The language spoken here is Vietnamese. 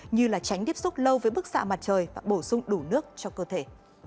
như tránh tiếp xúc lâu với bức xạ mặt trời và bổ sung đủ nước cho cơ thể